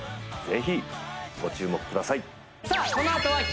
ぜひご注目ください